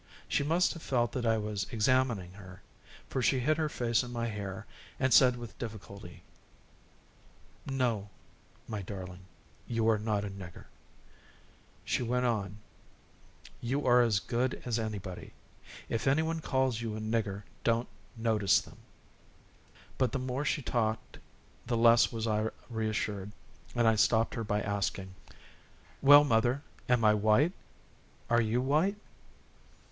She must have felt that I was examining her, for she hid her face in my hair and said with difficulty: "No, my darling, you are not a nigger." She went on: "You are as good as anybody; if anyone calls you a nigger, don't notice them." But the more she talked, the less was I reassured, and I stopped her by asking: "Well, mother, am I white? Are you white?"